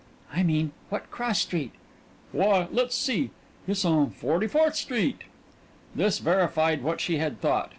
"I mean, what cross street?" "Why let's see it's on Forty fourth Street." This verified what she had thought.